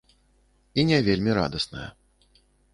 І не вельмі радасная.